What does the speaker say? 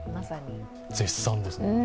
絶賛ですね。